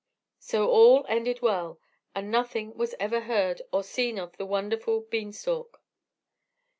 So all ended well, and nothing was ever beard or seen of the wonderful Bean stalk.